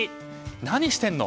何してんの？